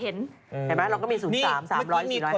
เห็นไหมเราก็มี๐๓๓๐๐๔๐๐